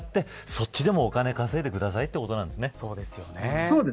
そっちでもお金を稼いでくださいということなんですね。